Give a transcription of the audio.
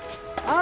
あ！